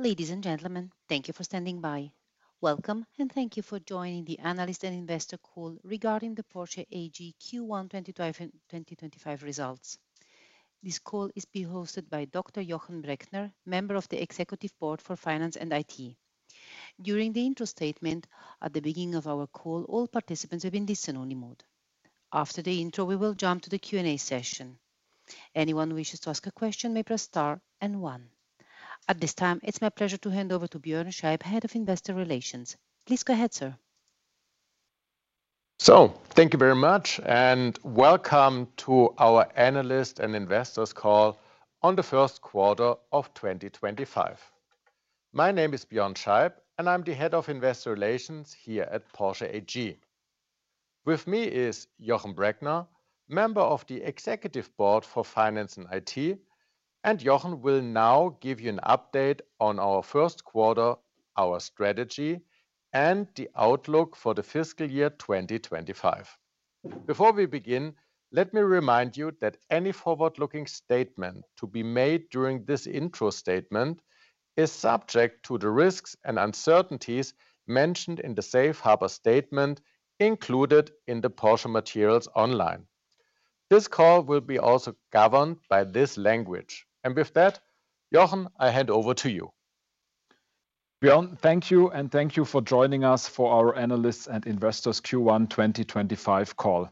Ladies and gentlemen, thank you for standing by. Welcome, and thank you for joining the analyst and investor call regarding the Porsche AG Q1 2025 results. This call is being hosted by Dr. Jochen Breckner, Member of the Executive Board for Finance and IT. During the intro statement at the beginning of our call, all participants will be in listen-only mode. After the intro, we will jump to the Q&A session. Anyone who wishes to ask a question may press star and one. At this time, it's my pleasure to hand over to Björn Scheib, Head of Investor Relations. Please go ahead, sir. Thank you very much, and welcome to our analyst and investors call on the first quarter of 2025. My name is Björn Scheib, and I'm the Head of Investor Relations here at Porsche AG. With me is Jochen Breckner, member of the Executive Board for Finance and IT, and Jochen will now give you an update on our first quarter, our strategy, and the outlook for the fiscal year 2025. Before we begin, let me remind you that any forward-looking statement to be made during this intro statement is subject to the risks and uncertainties mentioned in the safe harbor statement included in the Porsche Materials Online. This call will be also governed by this language. With that, Jochen, I hand over to you. Björn, thank you, and thank you for joining us for our analysts and investors Q1 2025 call.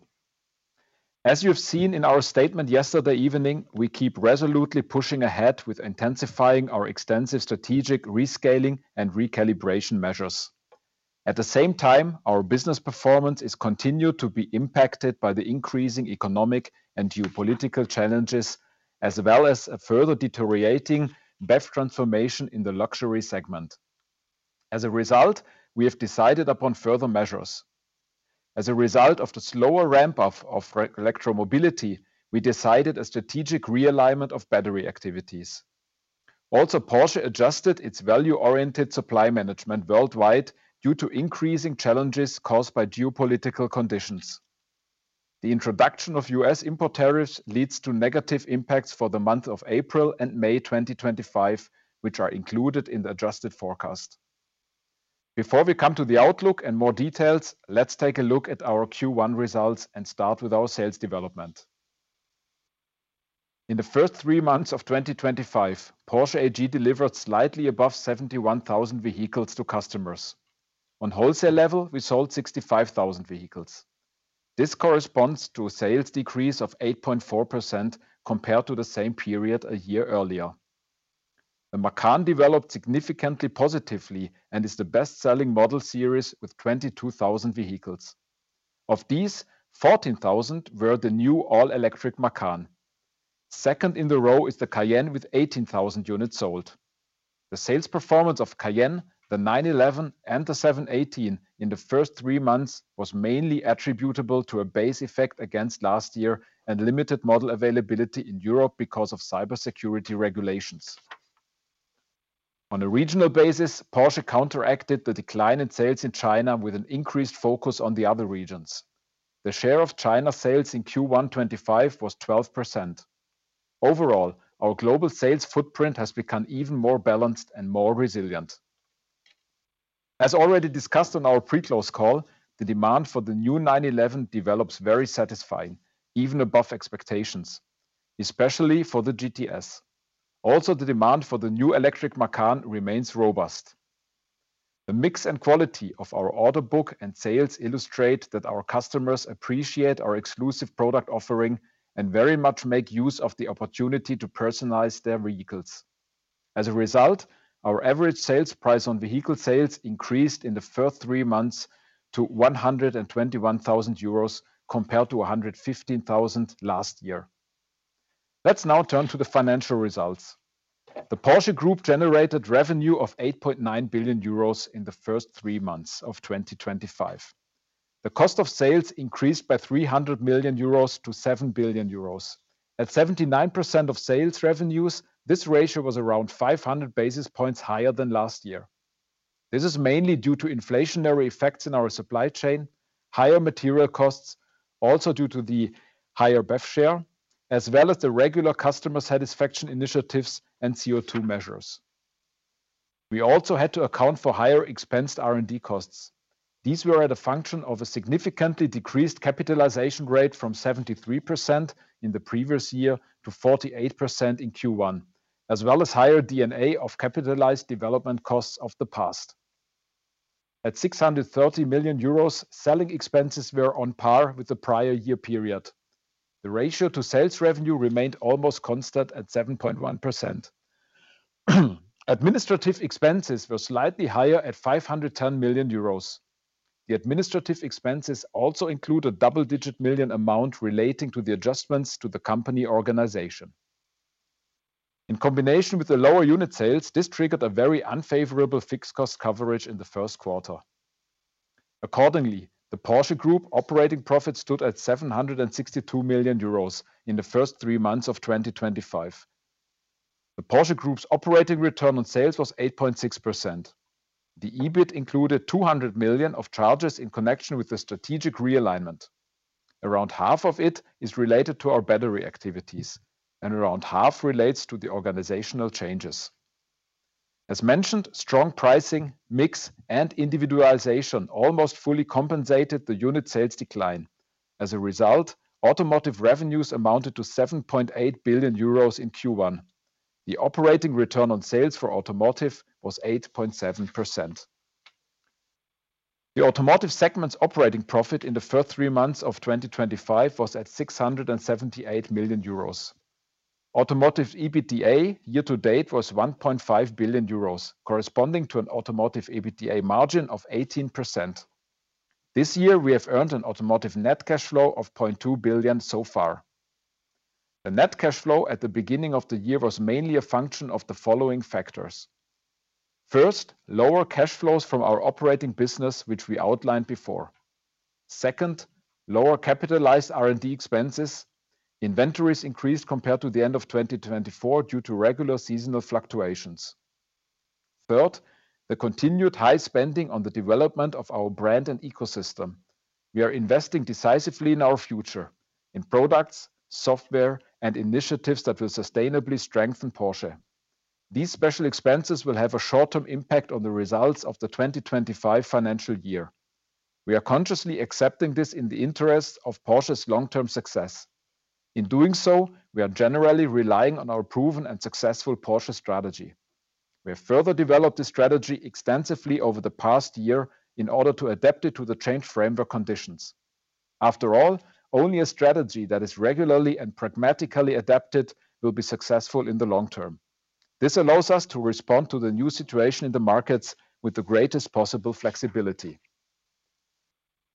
As you've seen in our statement yesterday evening, we keep resolutely pushing ahead with intensifying our extensive strategic rescaling and recalibration measures. At the same time, our business performance is continued to be impacted by the increasing economic and geopolitical challenges, as well as a further deteriorating BEV transformation in the luxury segment. As a result, we have decided upon further measures. As a result of the slower ramp-up of electromobility, we decided a strategic realignment of battery activities. Also, Porsche adjusted its value-oriented supply management worldwide due to increasing challenges caused by geopolitical conditions. The introduction of U.S. import tariffs leads to negative impacts for the month of April and May 2025, which are included in the adjusted forecast. Before we come to the outlook and more details, let's take a look at our Q1 results and start with our sales development. In the first three months of 2025, Porsche AG delivered slightly above 71,000 vehicles to customers. On wholesale level, we sold 65,000 vehicles. This corresponds to a sales decrease of 8.4% compared to the same period a year earlier. The Macan developed significantly positively and is the best-selling model series with 22,000 vehicles. Of these, 14,000 were the new all-electric Macan. Second in the row is the Cayenne with 18,000 units sold. The sales performance of Cayenne, the 911, and the 718 in the first three months was mainly attributable to a base effect against last year and limited model availability in Europe because of cybersecurity regulations. On a regional basis, Porsche counteracted the decline in sales in China with an increased focus on the other regions. The share of China's sales in Q1 2025 was 12%. Overall, our global sales footprint has become even more balanced and more resilient. As already discussed on our pre-close call, the demand for the new 911 develops very satisfying, even above expectations, especially for the GTS. Also, the demand for the new electric Macan remains robust. The mix and quality of our order book and sales illustrate that our customers appreciate our exclusive product offering and very much make use of the opportunity to personalize their vehicles. As a result, our average sales price on vehicle sales increased in the first three months to 121,000 euros compared to 115,000 last year. Let's now turn to the financial results. The Porsche Group generated revenue of 8.9 billion euros in the first three months of 2025. The cost of sales increased by 300 million euros to 7 billion euros. At 79% of sales revenues, this ratio was around 500 basis points higher than last year. This is mainly due to inflationary effects in our supply chain, higher material costs, also due to the higher BEV share, as well as the regular customer satisfaction initiatives and CO2 measures. We also had to account for higher expensed R&D costs. These were at a function of a significantly decreased capitalization rate from 73% in the previous year to 48% in Q1, as well as higher D&A of capitalized development costs of the past. At 630 million euros, selling expenses were on par with the prior year period. The ratio to sales revenue remained almost constant at 7.1%. Administrative expenses were slightly higher at 510 million euros. The administrative expenses also include a double-digit million amount relating to the adjustments to the company organization. In combination with the lower unit sales, this triggered a very unfavorable fixed cost coverage in the first quarter. Accordingly, the Porsche Group operating profit stood at 762 million euros in the first three months of 2025. The Porsche Group's operating return on sales was 8.6%. The EBIT included 200 million of charges in connection with the strategic realignment. Around half of it is related to our battery activities, and around half relates to the organizational changes. As mentioned, strong pricing, mix, and individualization almost fully compensated the unit sales decline. As a result, automotive revenues amounted to 7.8 billion euros in Q1. The operating return on sales for automotive was 8.7%. The automotive segment's operating profit in the first three months of 2025 was at 678 million euros. Automotive EBITDA year-to-date was 1.5 billion euros, corresponding to an automotive EBITDA margin of 18%. This year, we have earned an automotive net cash flow of 0.2 billion so far. The net cash flow at the beginning of the year was mainly a function of the following factors. First, lower cash flows from our operating business, which we outlined before. Second, lower capitalized R&D expenses. Inventories increased compared to the end of 2024 due to regular seasonal fluctuations. Third, the continued high spending on the development of our brand and ecosystem. We are investing decisively in our future, in products, software, and initiatives that will sustainably strengthen Porsche. These special expenses will have a short-term impact on the results of the 2025 financial year. We are consciously accepting this in the interest of Porsche's long-term success. In doing so, we are generally relying on our proven and successful Porsche strategy. We have further developed this strategy extensively over the past year in order to adapt it to the changed framework conditions. After all, only a strategy that is regularly and pragmatically adapted will be successful in the long term. This allows us to respond to the new situation in the markets with the greatest possible flexibility.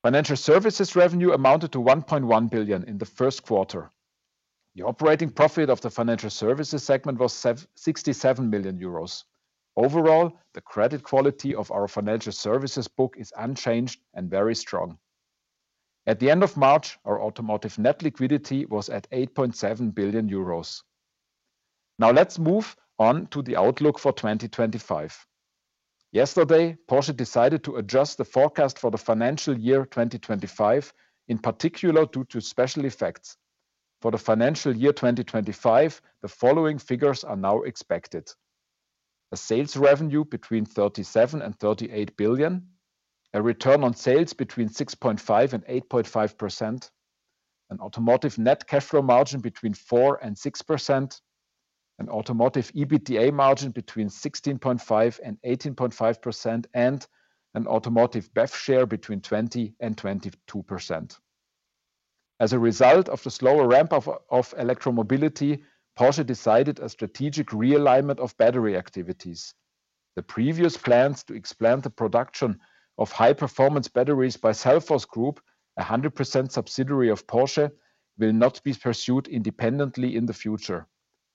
Financial services revenue amounted to 1.1 billion in the first quarter. The operating profit of the financial services segment was 67 million euros. Overall, the credit quality of our financial services book is unchanged and very strong. At the end of March, our automotive net liquidity was at 8.7 billion euros. Now let's move on to the outlook for 2025. Yesterday, Porsche decided to adjust the forecast for the financial year 2025, in particular due to special effects. For the financial year 2025, the following figures are now expected: a sales revenue between 37 billion and 38 billion, a return on sales between 6.5% and 8.5%, an automotive net cash flow margin between 4% and 6%, an automotive EBITDA margin between 16.5% and 18.5%, and an automotive BEV share between 20% and 22%. As a result of the slower ramp-up of electromobility, Porsche decided a strategic realignment of battery activities. The previous plans to expand the production of high-performance batteries by Cellforce Group, a 100% subsidiary of Porsche, will not be pursued independently in the future.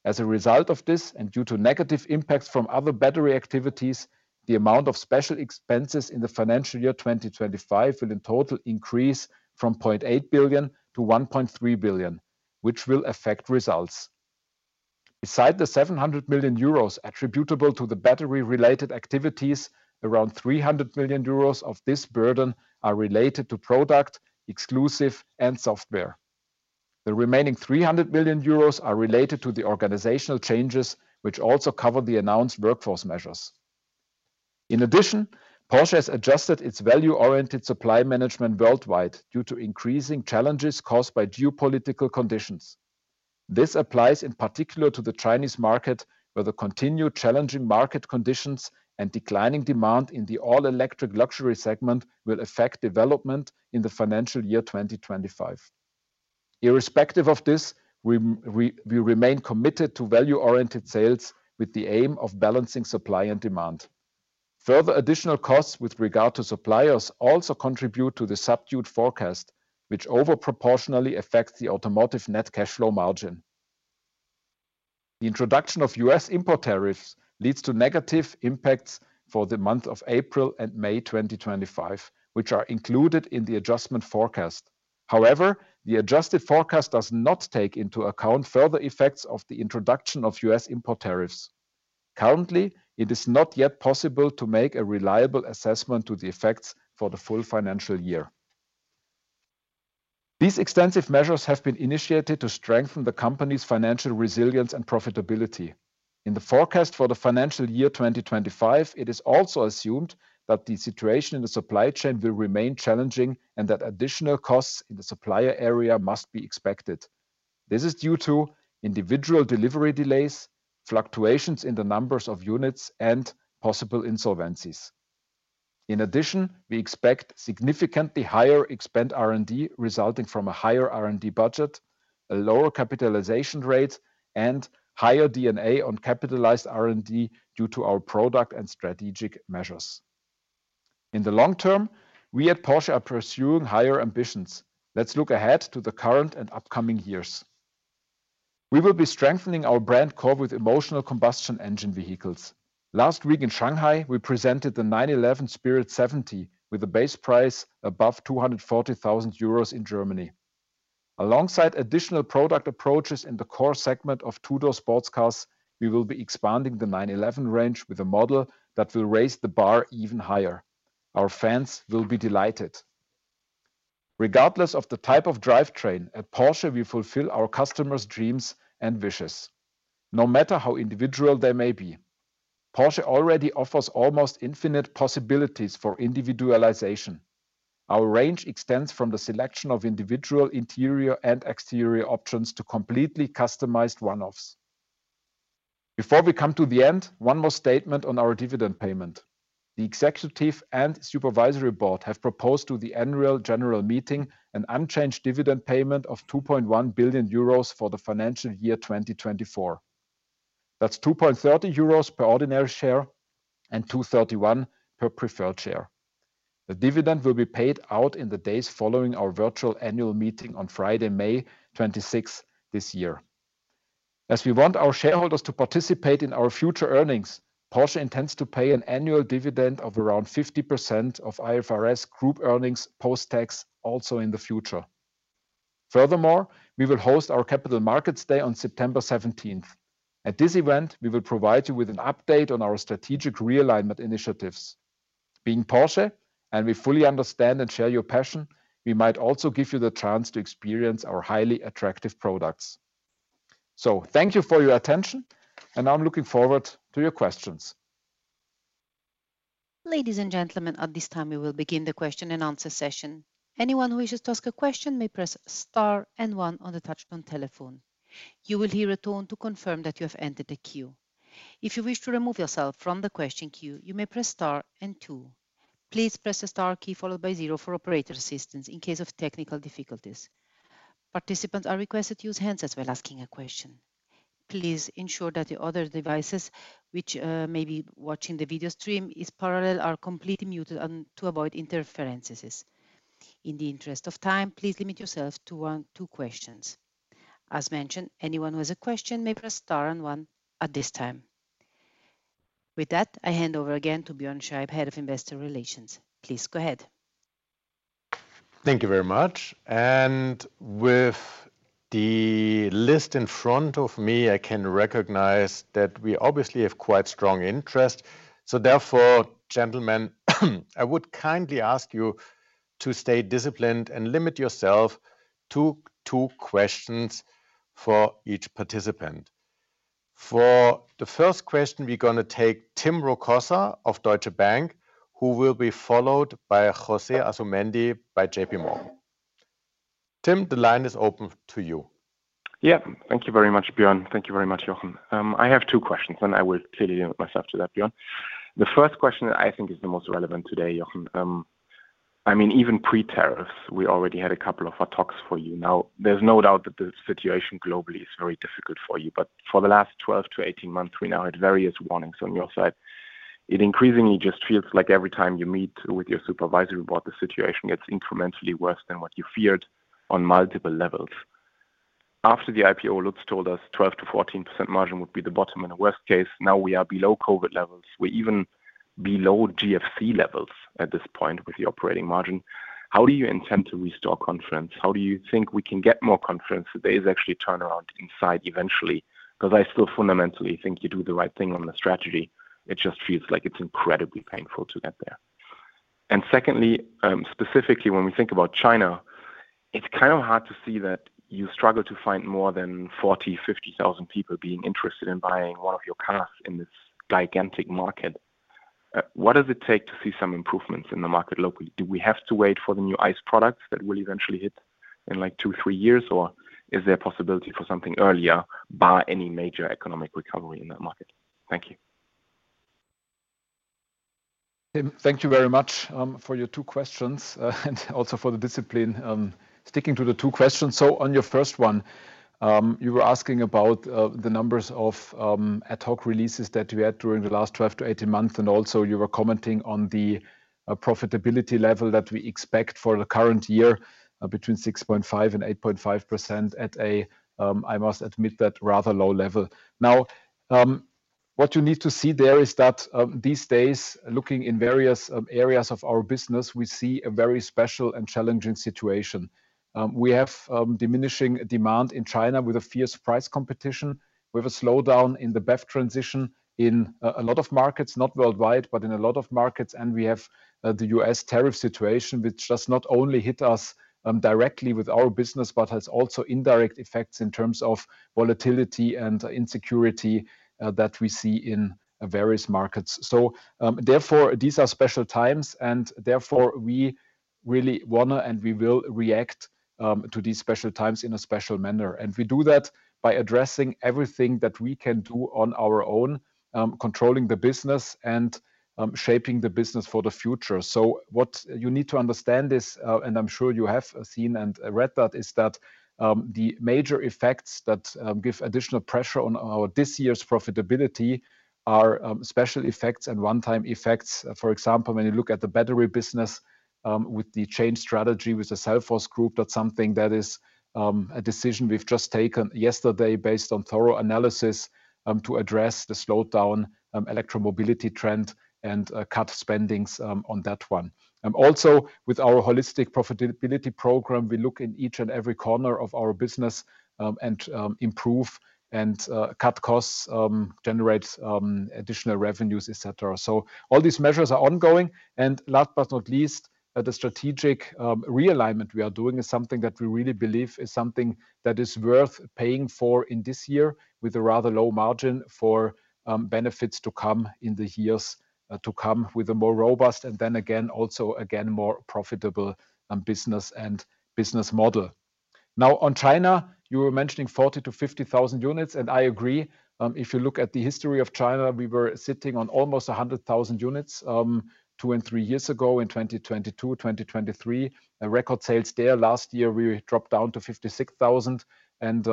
As a result of this, and due to negative impacts from other battery activities, the amount of special expenses in the financial year 2025 will in total increase from 0.8 billion to 1.3 billion, which will affect results. Beside the 700 million euros attributable to the battery-related activities, around 300 million euros of this burden are related to product, Exclusive, and software. The remaining 300 million euros are related to the organizational changes, which also cover the announced workforce measures. In addition, Porsche has adjusted its value-oriented supply management worldwide due to increasing challenges caused by geopolitical conditions. This applies in particular to the Chinese market, where the continued challenging market conditions and declining demand in the all-electric luxury segment will affect development in the financial year 2025. Irrespective of this, we remain committed to value-oriented sales with the aim of balancing supply and demand. Further additional costs with regard to suppliers also contribute to the subdued forecast, which overproportionally affects the automotive net cash flow margin. The introduction of U.S. import tariffs leads to negative impacts for the month of April and May 2025, which are included in the adjustment forecast. However, the adjusted forecast does not take into account further effects of the introduction of U.S. import tariffs. Currently, it is not yet possible to make a reliable assessment of the effects for the full financial year. These extensive measures have been initiated to strengthen the company's financial resilience and profitability. In the forecast for the financial year 2025, it is also assumed that the situation in the supply chain will remain challenging and that additional costs in the supplier area must be expected. This is due to individual delivery delays, fluctuations in the numbers of units, and possible insolvencies. In addition, we expect significantly higher R&D expenditure resulting from a higher R&D budget, a lower capitalization rate, and higher D&A on capitalized R&D due to our product and strategic measures. In the long term, we at Porsche are pursuing higher ambitions. Let's look ahead to the current and upcoming years. We will be strengthening our brand core with emotional combustion engine vehicles. Last week in Shanghai, we presented the 911 Speedster or 911 S/T with a base price above 240,000 euros in Germany. Alongside additional product approaches in the core segment of two-door sports cars, we will be expanding the 911 range with a model that will raise the bar even higher. Our fans will be delighted. Regardless of the type of drivetrain, at Porsche we fulfill our customers' dreams and wishes, no matter how individual they may be. Porsche already offers almost infinite possibilities for individualization. Our range extends from the selection of individual interior and exterior options to completely customized one-offs. Before we come to the end, one more statement on our dividend payment. The Executive and Supervisory Board have proposed to the general meeting an unchanged dividend payment of 2.1 billion euros for the financial year 2024. That's 2.30 euros per ordinary share and 2.31 per preferred share. The dividend will be paid out in the days following our virtual annual meeting on Friday, May 26, this year. As we want our shareholders to participate in our future earnings, Porsche intends to pay an annual dividend of around 50% of IFRS group earnings post-tax also in the future. Furthermore, we will host our Capital Markets Day on September 17. At this event, we will provide you with an update on our strategic realignment initiatives. Being Porsche, and we fully understand and share your Passion, we might also give you the chance to experience our highly attractive products. Thank you for your attention, and I'm looking forward to your questions. Ladies and gentlemen, at this time, we will begin the question and answer session. Anyone who wishes to ask a question may press Star and 1 on the touchscreen telephone. You will hear a tone to confirm that you have entered the queue. If you wish to remove yourself from the question queue, you may press Star and 2. Please press the Star key followed by 0 for operator assistance in case of technical difficulties. Participants are requested to use handsets while asking a question. Please ensure that the other devices which may be watching the video stream are parallel or completely muted to avoid interferences. In the interest of time, please limit yourself to one or two questions. As mentioned, anyone who has a question may press Star and 1 at this time. With that, I hand over again to Björn Scheib, Head of Investor Relations. Please go ahead. Thank you very much. With the list in front of me, I can recognize that we obviously have quite strong interest. Therefore, gentlemen, I would kindly ask you to stay disciplined and limit yourself to two questions for each participant. For the first question, we are going to take Tim Rokossa of Deutsche Bank, who will be followed by José Asumendi by JP Morgan. Tim, the line is open to you. Yeah, thank you very much, Björn. Thank you very much, Jochen. I have two questions, and I will clearly limit myself to that, Björn. The first question I think is the most relevant today, Jochen. I mean, even pre-tariffs, we already had a couple of talks for you. Now, there's no doubt that the situation globally is very difficult for you. For the last 12 to 18 months, we now had various warnings on your side. It increasingly just feels like every time you meet with your supervisory board, the situation gets incrementally worse than what you feared on multiple levels. After the IPO, Lutz told us 12-14% margin would be the bottom in a worst case. Now we are below COVID levels. We're even below GFC levels at this point with the operating margin. How do you intend to restore confidence? How do you think we can get more confidence that there is actually a turnaround inside eventually? Because I still fundamentally think you do the right thing on the strategy. It just feels like it's incredibly painful to get there. Secondly, specifically when we think about China, it's kind of hard to see that you struggle to find more than 40,000-50,000 people being interested in buying one of your cars in this gigantic market. What does it take to see some improvements in the market locally? Do we have to wait for the new ICE products that will eventually hit in like two or three years, or is there a possibility for something earlier by any major economic recovery in that market? Thank you. Tim, thank you very much for your two questions and also for the discipline. Sticking to the two questions, on your first one, you were asking about the numbers of ad hoc releases that you had during the last 12 to 18 months, and also you were commenting on the profitability level that we expect for the current year between 6.5% and 8.5% at a, I must admit, that rather low level. What you need to see there is that these days, looking in various areas of our business, we see a very special and challenging situation. We have diminishing demand in China with a fierce price competition, with a slowdown in the BEV transition in a lot of markets, not worldwide, but in a lot of markets, and we have the U.S. tariff situation, which does not only hit us directly with our business, but has also indirect effects in terms of volatility and insecurity that we see in various markets. Therefore, these are special times, and therefore we really want to and we will react to these special times in a special manner. We do that by addressing everything that we can do on our own, controlling the business and shaping the business for the future. What you need to understand is, and I'm sure you have seen and read that, is that the major effects that give additional pressure on this year's profitability are special effects and one-time effects. For example, when you look at the battery business with the change strategy with the Cellforce Group, that's something that is a decision we've just taken yesterday based on thorough analysis to address the slowdown electromobility trend and cut spendings on that one. Also, with our holistic profitability program, we look in each and every corner of our business and improve and cut costs, generate additional revenues, etc. All these measures are ongoing. Last but not least, the strategic realignment we are doing is something that we really believe is something that is worth paying for in this year with a rather low margin for benefits to come in the years to come with a more robust and then again, also again, more profitable business and business model. Now, on China, you were mentioning 40,000-50,000 units, and I agree. If you look at the history of China, we were sitting on almost 100,000 units 2 and 3 years ago in 2022, 2023. Record sales there. Last year, we dropped down to 56,000, and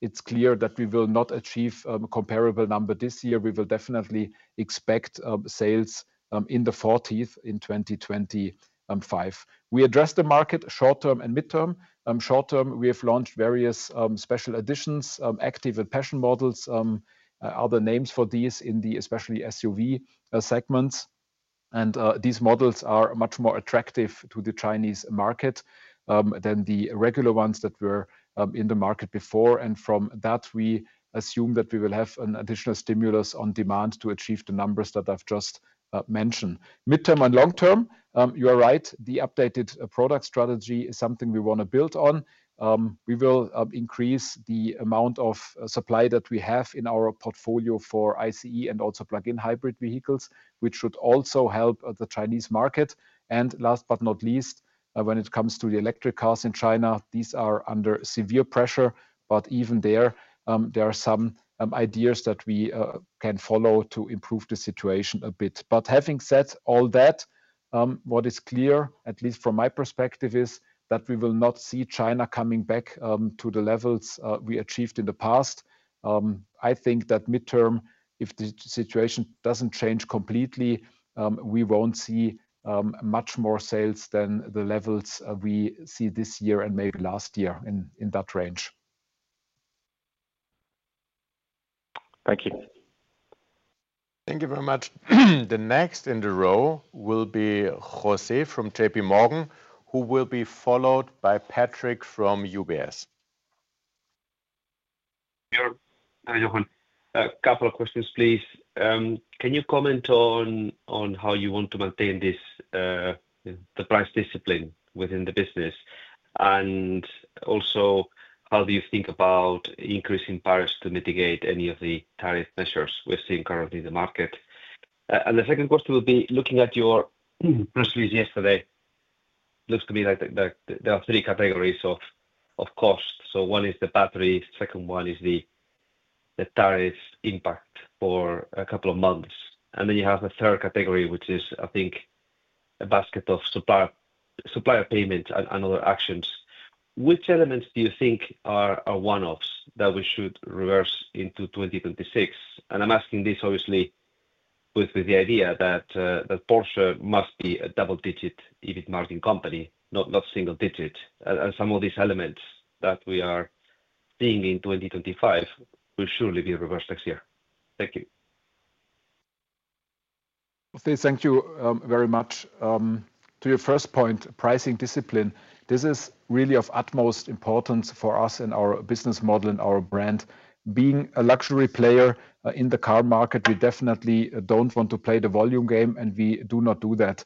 it is clear that we will not achieve a comparable number this year. We will definitely expect sales in the 40s in 2025. We address the market short term and mid term. Short term, we have launched various special editions, Active and Platinum models in the especially SUV segments. These models are much more attractive to the Chinese market than the regular ones that were in the market before. From that, we assume that we will have an additional stimulus on demand to achieve the numbers that I've just mentioned. Mid term and long term, you are right, the updated product strategy is something we want to build on. We will increase the amount of supply that we have in our portfolio for ICE and also plug-in hybrid vehicles, which should also help the Chinese market. Last but not least, when it comes to the electric cars in China, these are under severe pressure. Even there, there are some ideas that we can follow to improve the situation a bit. Having said all that, what is clear, at least from my perspective, is that we will not see China coming back to the levels we achieved in the past. I think that mid term, if the situation does not change completely, we will not see much more sales than the levels we see this year and maybe last year in that range. Thank you. Thank you very much. The next in the row will be José from JP Morgan, who will be followed by Patrick from UBS. Björn, Jochen, a couple of questions, please. Can you comment on how you want to maintain the price discipline within the business? Also, how do you think about increasing price to mitigate any of the tariff measures we are seeing currently in the market? The second question will be looking at your press release yesterday. Looks to me like there are three categories of cost. One is the battery, second one is the tariff impact for a couple of months. Then you have the third category, which is, I think, a basket of supplier payments and other actions. Which elements do you think are one-offs that we should reverse into 2026? I am asking this, obviously, with the idea that Porsche must be a double-digit EV marketing company, not single digit. Some of these elements that we are seeing in 2025 will surely be reversed next year. Thank you. Thank you very much. To your first point, pricing discipline, this is really of utmost importance for us in our business model and our brand. Being a luxury player in the car market, we definitely do not want to play the volume game, and we do not do that.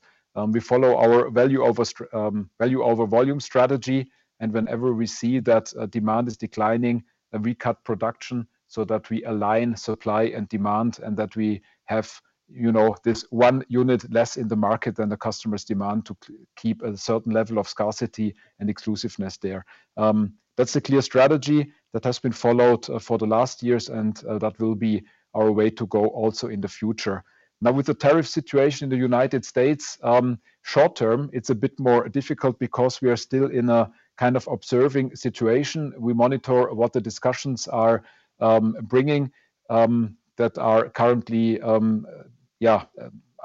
We follow our value over volume strategy, and whenever we see that demand is declining, we cut production so that we align supply and demand and that we have this one unit less in the market than the customers' demand to keep a certain level of scarcity and exclusiveness there. That is a clear strategy that has been followed for the last years, and that will be our way to go also in the future. Now, with the tariff situation in the United States, short term, it is a bit more difficult because we are still in a kind of observing situation. We monitor what the discussions are bringing that are currently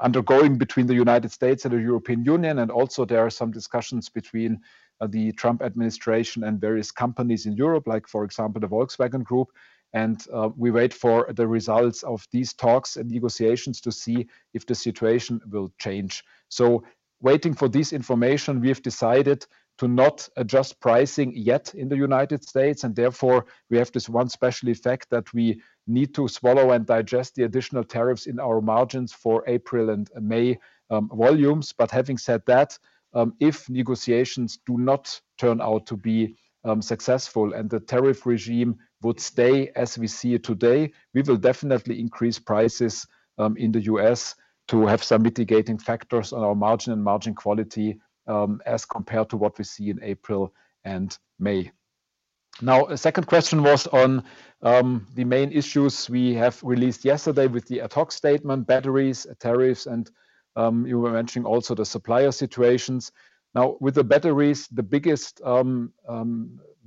undergoing between the United States and the European Union. There are some discussions between the Trump administration and various companies in Europe, like for example, the Volkswagen Group. We wait for the results of these talks and negotiations to see if the situation will change. Waiting for this information, we have decided to not adjust pricing yet in the United States. Therefore, we have this one special effect that we need to swallow and digest the additional tariffs in our margins for April and May volumes. Having said that, if negotiations do not turn out to be successful and the tariff regime would stay as we see it today, we will definitely increase prices in the U.S. to have some mitigating factors on our margin and margin quality as compared to what we see in April and May. Now, a second question was on the main issues we have released yesterday with the ad hoc statement, batteries, tariffs, and you were mentioning also the supplier situations. Now, with the batteries, the biggest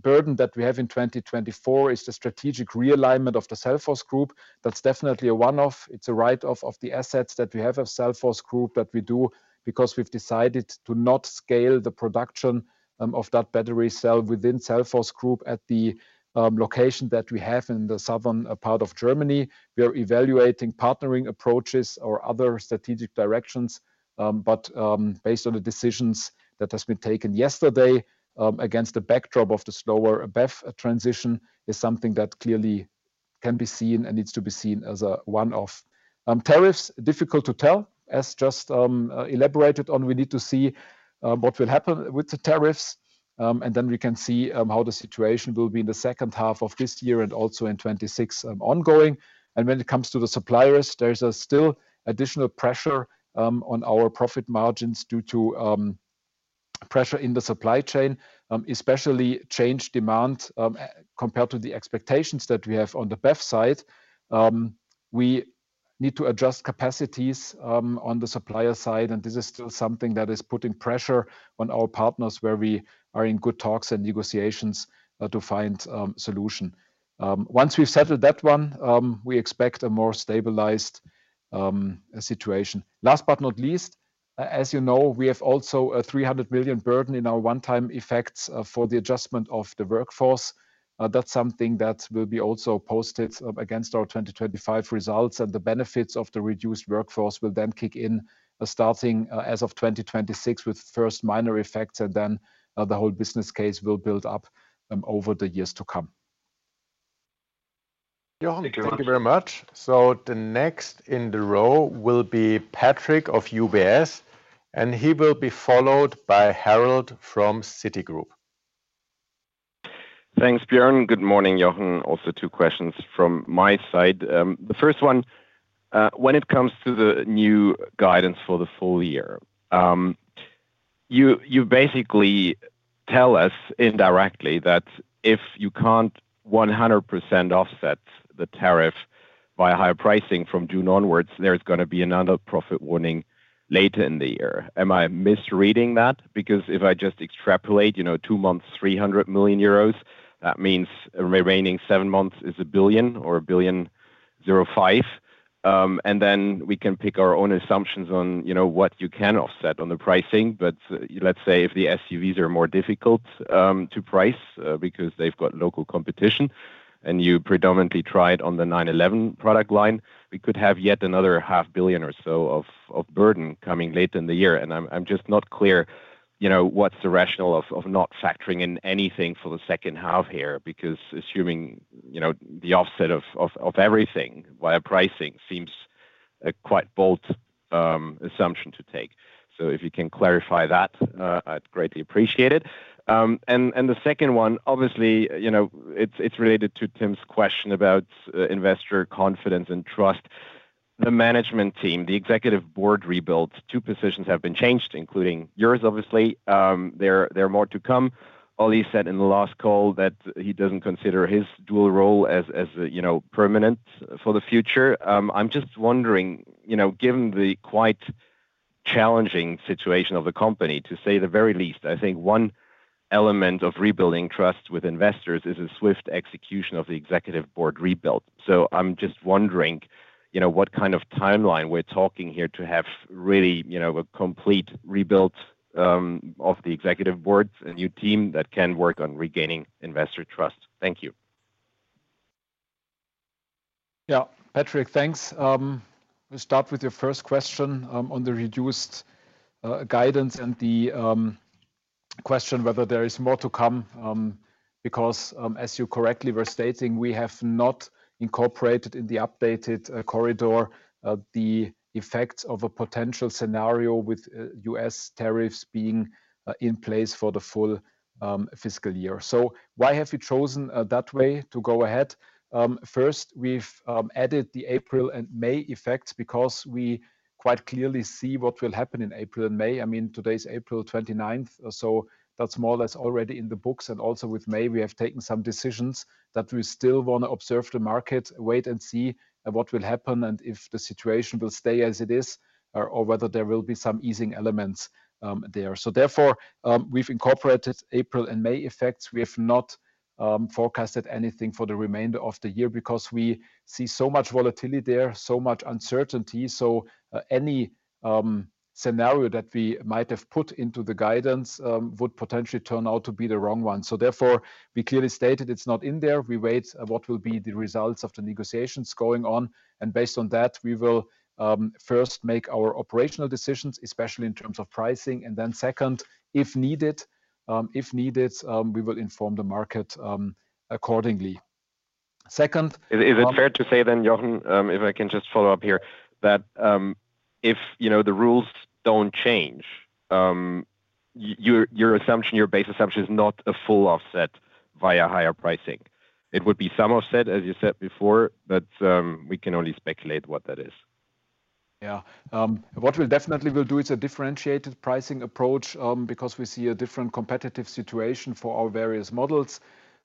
burden that we have in 2024 is the strategic realignment of the Cellforce Group. That is definitely a one-off. It is a write-off of the assets that we have of Cellforce Group that we do because we have decided to not scale the production of that battery cell within Cellforce Group at the location that we have in the southern part of Germany. We are evaluating partnering approaches or other strategic directions. Based on the decisions that have been taken yesterday against the backdrop of the slower BEV transition, it is something that clearly can be seen and needs to be seen as a one-off. Tariffs, difficult to tell, as just elaborated on. We need to see what will happen with the tariffs, and then we can see how the situation will be in the second half of this year and also in 2026 ongoing. When it comes to the suppliers, there's still additional pressure on our profit margins due to pressure in the supply chain, especially changed demand compared to the expectations that we have on the BEV side. We need to adjust capacities on the supplier side, and this is still something that is putting pressure on our partners where we are in good talks and negotiations to find a solution. Once we've settled that one, we expect a more stabilized situation. Last but not least, as you know, we have also a 300 million burden in our one-time effects for the adjustment of the workforce. That's something that will be also posted against our 2025 results, and the benefits of the reduced workforce will then kick in starting as of 2026 with first minor effects, and then the whole business case will build up over the years to come. Jochen, thank you very much. The next in the row will be Patrick of UBS, and he will be followed by Harald from Citigroup. Thanks, Björn. Good morning, Jochen. Also, two questions from my side. The first one, when it comes to the new guidance for the full year, you basically tell us indirectly that if you can't 100% offset the tariff by higher pricing from June onwards, there's going to be another profit warning later in the year. Am I misreading that? Because if I just extrapolate, you know, two months, 300 million euros, that means remaining seven months is 1 billion or 1.05 billion. We can pick our own assumptions on what you can offset on the pricing. Let's say if the SUVs are more difficult to price because they've got local competition and you predominantly tried on the 911 product line, we could have yet another 500 million or so of burden coming late in the year. I'm just not clear what's the rationale of not factoring in anything for the second half here because assuming the offset of everything via pricing seems a quite bold assumption to take. If you can clarify that, I'd greatly appreciate it. The second one, obviously, it's related to Tim's question about investor confidence and trust. The management team, the executive board rebuilt. Two positions have been changed, including yours, obviously. There are more to come. Oli said in the last call that he doesn't consider his dual role as permanent for the future. I'm just wondering, given the quite challenging situation of the company, to say the very least, I think one element of rebuilding trust with investors is a swift execution of the executive board rebuild. I'm just wondering what kind of timeline we're talking here to have really a complete rebuild of the executive board, a new team that can work on regaining investor trust. Thank you. Yeah, Patrick, thanks. We'll start with your first question on the reduced guidance and the question whether there is more to come because, as you correctly were stating, we have not incorporated in the updated corridor the effects of a potential scenario with U.S. tariffs being in place for the full fiscal year. Why have you chosen that way to go ahead? First, we've added the April and May effects because we quite clearly see what will happen in April and May. I mean, today's April 29th, so that's more or less already in the books. Also with May, we have taken some decisions that we still want to observe the market, wait and see what will happen and if the situation will stay as it is or whether there will be some easing elements there. Therefore, we've incorporated April and May effects. We have not forecasted anything for the remainder of the year because we see so much volatility there, so much uncertainty. Any scenario that we might have put into the guidance would potentially turn out to be the wrong one. Therefore, we clearly stated it's not in there. We wait what will be the results of the negotiations going on. Based on that, we will first make our operational decisions, especially in terms of pricing. Second, if needed, we will inform the market accordingly. Is it fair to say then, Jochen, if I can just follow up here, that if the rules do not change, your assumption, your base assumption is not a full offset via higher pricing? It would be some offset, as you said before, but we can only speculate what that is. Yeah. What we definitely will do is a differentiated pricing approach because we see a different competitive situation for our various models.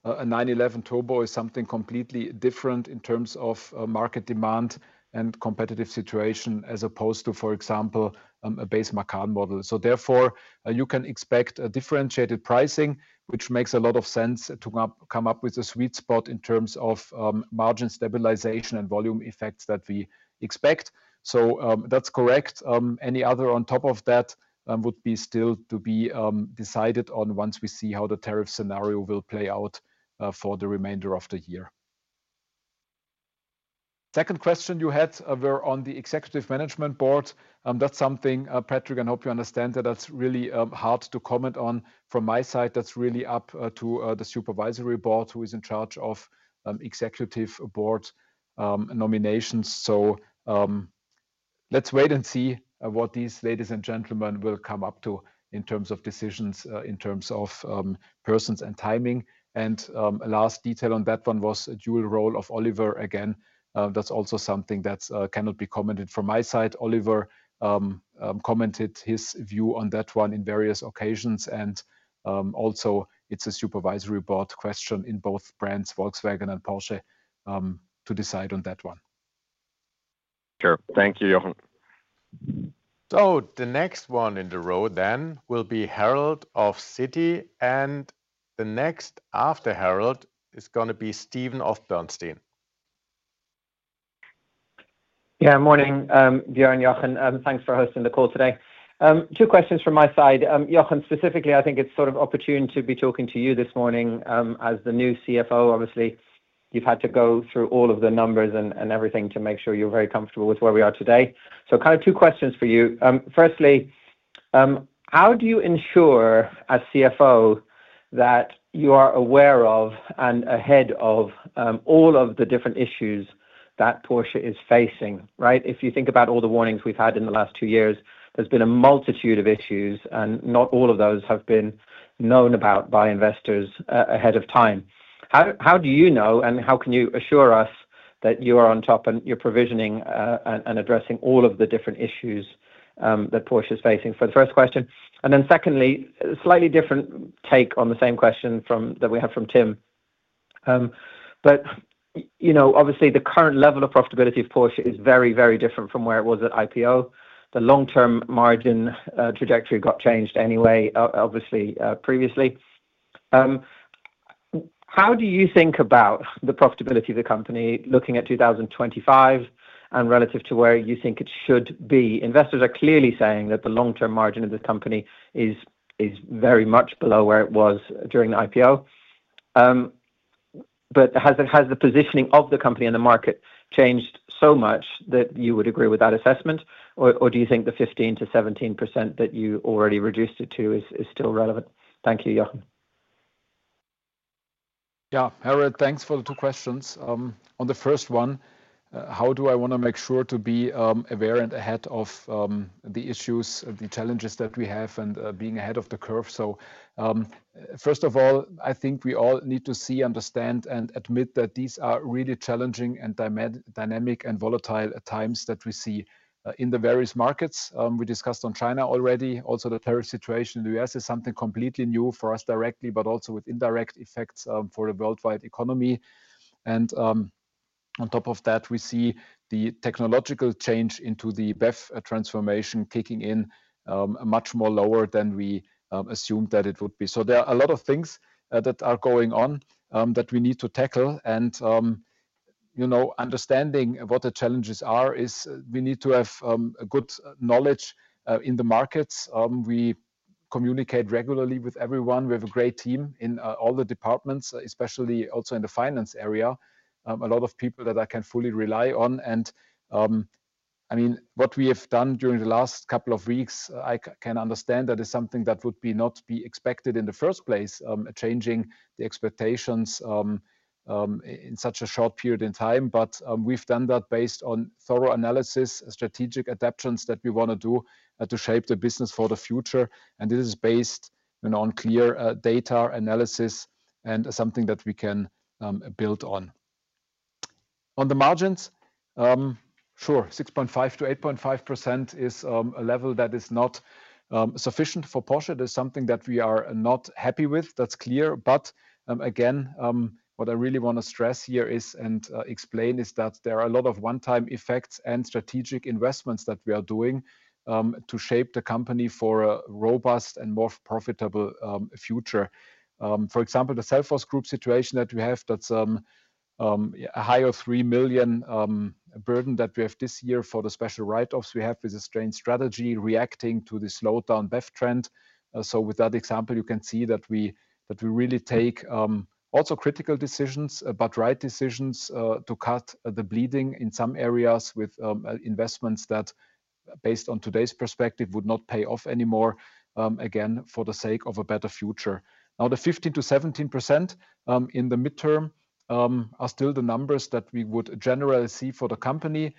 A 911 Turbo is something completely different in terms of market demand and competitive situation as opposed to, for example, a base Macan model. Therefore, you can expect a differentiated pricing, which makes a lot of sense to come up with a sweet spot in terms of margin stabilization and volume effects that we expect. That is correct. Any other on top of that would be still to be decided on once we see how the tariff scenario will play out for the remainder of the year. Second question you had were on the executive management board. That is something, Patrick, I hope you understand that that is really hard to comment on. From my side, that's really up to the supervisory board who is in charge of executive board nominations. Let's wait and see what these ladies and gentlemen will come up to in terms of decisions, in terms of persons and timing. Last detail on that one was a dual role of Oliver again. That's also something that cannot be commented from my side. Oliver commented his view on that one in various occasions. Also, it's a supervisory board question in both brands, Volkswagen and Porsche, to decide on that one. Sure. Thank you, Jochen. The next one in the row then will be Harald of Citi, and the next after Harald is going to be Stephen of Bernstein. Yeah, morning, Björn, Jochen, and thanks for hosting the call today. Two questions from my side. Jochen, specifically, I think it's sort of opportune to be talking to you this morning as the new CFO. Obviously, you've had to go through all of the numbers and everything to make sure you're very comfortable with where we are today. Kind of two questions for you. Firstly, how do you ensure as CFO that you are aware of and ahead of all of the different issues that Porsche is facing, Right? If you think about all the warnings we've had in the last two years, there's been a multitude of issues, and not all of those have been known about by investors ahead of time. How do you know, and how can you assure us that you are on top and you're provisioning and addressing all of the different issues that Porsche is facing For the first question. Secondly, a slightly different take on the same question that we have from Tim. Obviously, the current level of profitability of Porsche is very, very different from where it was at IPO. The long-term margin trajectory got changed anyway, obviously, previously. How do you think about the profitability of the company looking at 2025 and relative to where you think it should be? Investors are clearly saying that the long-term margin of this company is very much below where it was during the IPO. Has the positioning of the company and the market changed so much that you would agree with that assessment, or do you think the 15%-17% that you already reduced it to is still relevant? Thank you, Jochen. Yeah, Harold, thanks for the two questions. On the first one, how do I want to make sure to be aware and ahead of the issues, the challenges that we have, and being ahead of the curve? First of all, I think we all need to see, understand, and admit that these are really challenging and dynamic and volatile times that we see in the various markets. We discussed on China already. Also, the tariff situation in the U.S. is something completely new for us directly, but also with indirect effects for the worldwide economy. On top of that, we see the technological change into the best transformation kicking in much more lower than we assumed that it would be. There are a lot of things that are going on that we need to tackle. Understanding what the challenges are is we need to have good knowledge in the markets. We communicate regularly with everyone. We have a great team in all the departments, especially also in the finance area. A lot of people that I can fully rely on. I mean, what we have done during the last couple of weeks, I can understand that is something that would not be expected in the first place, changing the expectations in such a short period in time. We have done that based on thorough analysis, strategic adaptations that we want to do to shape the business for the future. This is based on clear data analysis and something that we can build on. On the margins, sure, 6.5%-8.5% is a level that is not sufficient for Porsche. That is something that we are not happy with. That's clear. What I really want to stress here is and explain is that there are a lot of one-time effects and strategic investments that we are doing to shape the company for a robust and more profitable future. For example, the Cellforce Group situation that we have, that's a higher 3 million burden that we have this year for the special write-offs we have with the strained strategy reacting to the slowdown BEV trend. With that example, you can see that we really take also critical decisions, but right decisions to cut the bleeding in some areas with investments that, based on today's perspective, would not pay off anymore, again, for the sake of a better future. Now, the 15%-17% in the midterm are still the numbers that we would generally see for the company.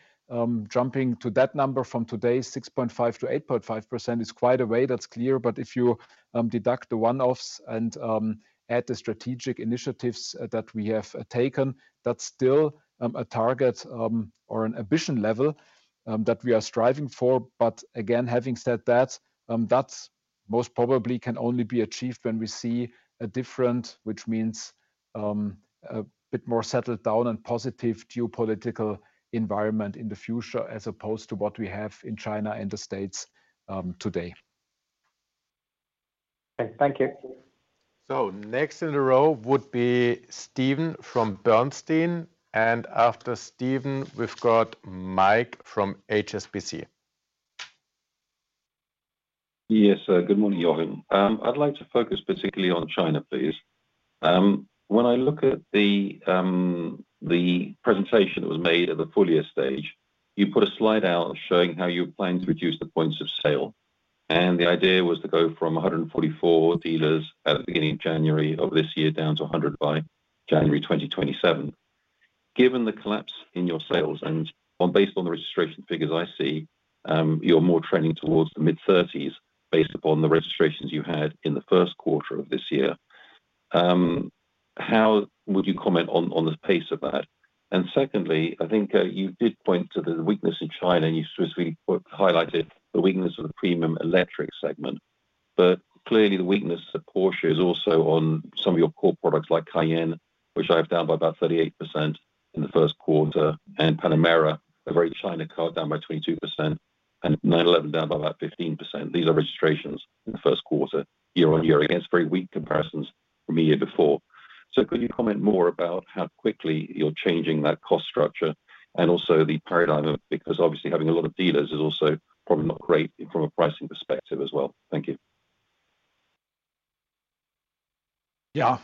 Jumping to that number from today, 6.5%-8.5% is quite a way. That's clear. If you deduct the one-offs and add the strategic initiatives that we have taken, that's still a target or an ambition level that we are striving for. Again, having said that, that most probably can only be achieved when we see a different, which means a bit more settled down and positive geopolitical environment in the future as opposed to what we have in China and the States today. Thank you. Next in the row would be Stephen from Bernstein. After Stephen, we've got Mike from HSBC. Yes, good morning, Jochen. I'd like to focus particularly on China, please. When I look at the presentation that was made at the full-year stage, you put a slide out showing how you plan to reduce the points of sale. The idea was to go from 144 dealers at the beginning of January of this year down to 100 by January 2027. Given the collapse in your sales and based on the registration figures I see, you're more trending towards the mid-30s based upon the registrations you had in the first quarter of this year. How would you comment on the pace of that? I think you did point to the weakness in China and you specifically highlighted the weakness of the premium electric segment. Clearly, the weakness of Porsche is also on some of your core products like Cayenne, which I have down by about 38% in the first quarter, and Panamera, a very China car down by 22%, and 911 down by about 15%. These are registrations in the first quarter year on year against very weak comparisons from the year before. Could you comment more about how quickly you're changing that cost structure and also the paradigm of it? Because obviously, having a lot of dealers is also probably not great from a pricing perspective as well. Thank you. Yeah.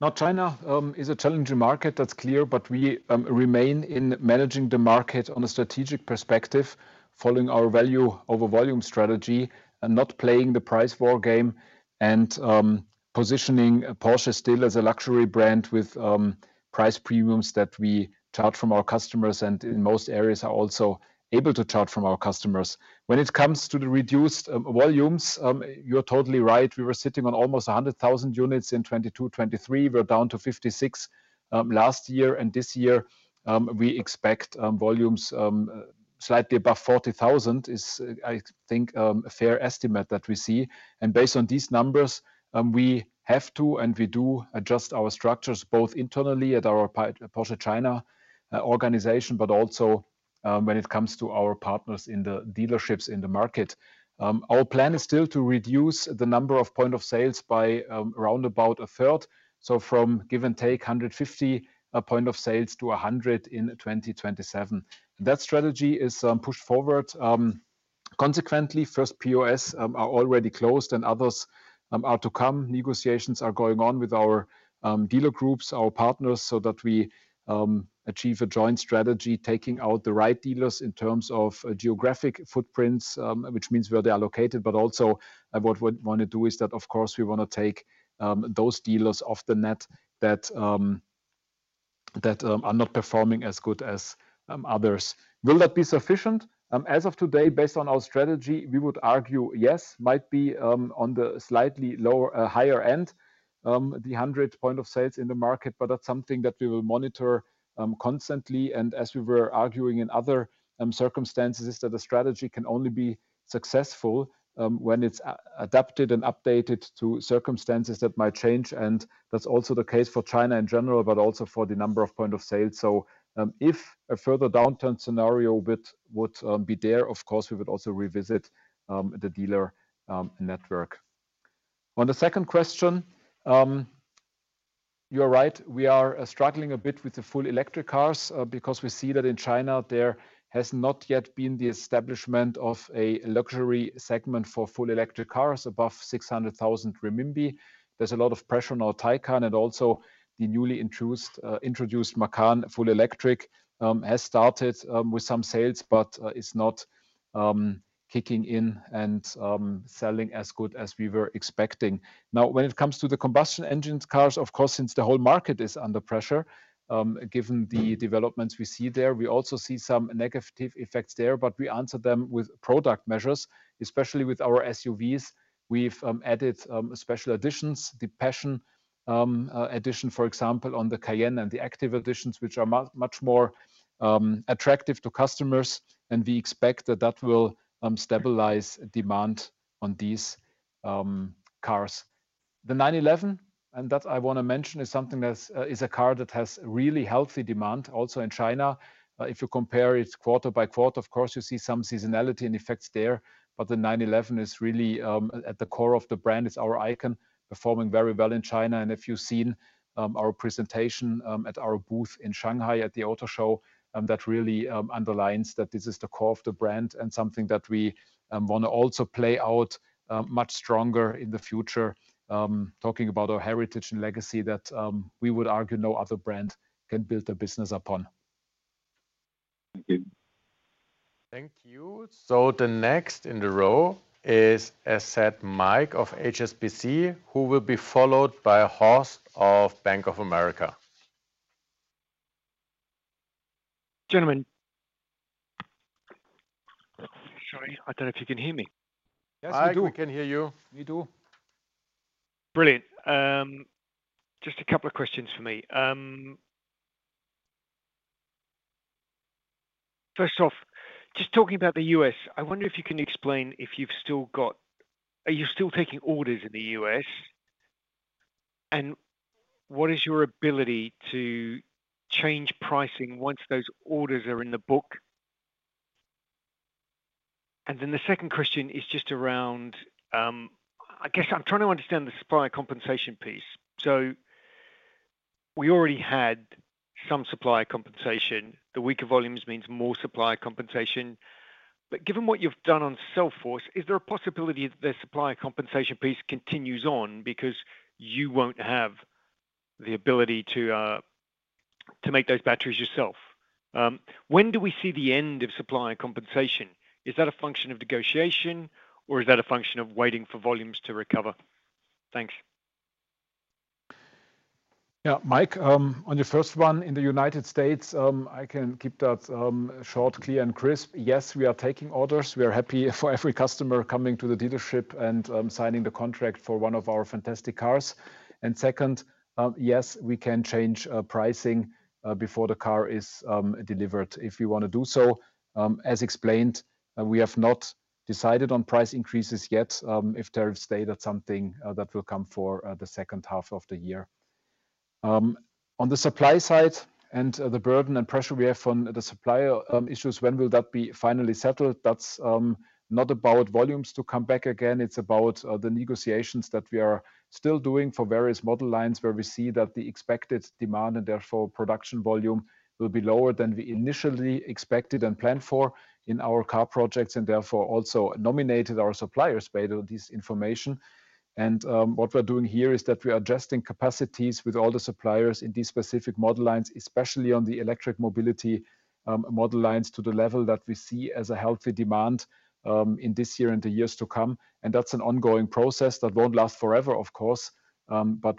Now, China is a challenging market. That's clear. We remain in managing the market on a strategic perspective following our value over volume strategy and not playing the price war game and positioning Porsche still as a luxury brand with price premiums that we charge from our customers and in most areas are also able to charge from our customers. When it comes to the reduced volumes, you're totally right. We were sitting on almost 100,000 units in 2022-2023. We're down to 56,000 last year. This year, we expect volumes slightly above 40,000 is, I think, a fair estimate that we see. Based on these numbers, we have to and we do adjust our structures both internally at our Porsche China organization, but also when it comes to our partners in the dealerships in the market. Our plan is still to reduce the number of point of sales by around about a third. From give and take 150 point of sales to 100 in 2027. That strategy is pushed forward. Consequently, first POS are already closed and others are to come. Negotiations are going on with our dealer groups, our partners, so that we achieve a joint strategy taking out the right dealers in terms of geographic footprints, which means where they are located. Also, what we want to do is that, of course, we want to take those dealers off the net that are not performing as good as others. Will that be sufficient? As of today, based on our strategy, we would argue yes, might be on the slightly higher end, the 100 point of sales in the market. That is something that we will monitor constantly. As we were arguing in other circumstances, a strategy can only be successful when it is adapted and updated to circumstances that might change. That is also the case for China in general, but also for the number of point of sale. If a further downturn scenario would be there, of course, we would also revisit the dealer network. On the second question, you are right. We are struggling a bit with the full electric cars because we see that in China, there has not yet been the establishment of a luxury segment for full electric cars above 600,000. There's a lot of pressure on our Taycan, and also the newly introduced Macan full electric has started with some sales, but is not kicking in and selling as good as we were expecting. Now, when it comes to the combustion engine cars, of course, since the whole market is under pressure, given the developments we see there, we also see some negative effects there. We answer them with product measures, especially with our SUVs. We've added special editions, the Passion edition, for example, on the Cayenne and the Active editions, which are much more attractive to customers. We expect that that will stabilize demand on these cars. The 911, and that I want to mention, is something that is a car that has really healthy demand also in China. If you compare it quarter by quarter, of course, you see some seasonality and effects there. The 911 is really at the core of the brand, is our icon, performing very well in China. If you've seen our presentation at our booth in Shanghai at the auto show, that really underlines that this is the core of the brand and something that we want to also play out much stronger in the future, talking about our heritage and legacy that we would argue no other brand can build a business upon. Thank you. Thank you. The next in the row is, as said, Mike of HSBC, who will be followed by Horst of Bank of America. Gentlemen. Sorry, I don't know if you can hear me. Yes, we do. We can hear you. We do. Brilliant. Just a couple of questions for me. First off, just talking about the U.S., I wonder if you can explain if you've still got, are you still taking orders in the U.S.? What is your ability to change pricing once those orders are in the book? The second question is just around, I guess I'm trying to understand the supplier compensation piece. We already had some supplier compensation. The weaker volumes means more supplier compensation. Given what you've done on Cellforce, is there a possibility that the supplier compensation piece continues on because you won't have the ability to make those batteries yourself? When do we see the end of supplier compensation? Is that a function of negotiation, or is that a function of waiting for volumes to recover? Thanks. Yeah, Mike, on your first one in the United States, I can keep that short, clear, and crisp. Yes, we are taking orders. We are happy for every customer coming to the dealership and signing the contract for one of our fantastic cars. Second, yes, we can change pricing before the car is delivered if we want to do so. As explained, we have not decided on price increases yet. If tariffs stay, that is something that will come for the second half of the year. On the supply side and the burden and pressure we have on the supplier issues, when will that be finally settled? That is not about volumes to come back again. It is about the negotiations that we are still doing for various model lines where we see that the expected demand and therefore production volume will be lower than we initially expected and planned for in our car projects and therefore also nominated our suppliers based on this information. What we are doing here is that we are adjusting capacities with all the suppliers in these specific model lines, especially on the electric mobility model lines to the level that we see as a healthy demand in this year and the years to come. That is an ongoing process that will not last forever, of course.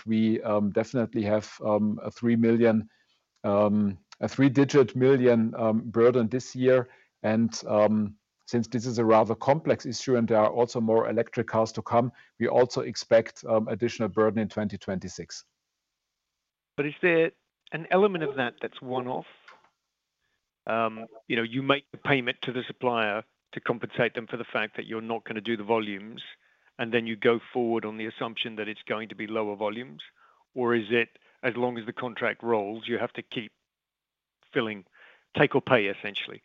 We definitely have a three-digit million burden this year. Since this is a rather complex issue and there are also more electric cars to come, we also expect additional burden in 2026. Is there an element of that that is one-off? You make the payment to the supplier to compensate them for the fact that you are not going to do the volumes, and then you go forward on the assumption that it is going to be lower volumes. Is it as long as the contract rolls, you have to keep filling, take or pay essentially?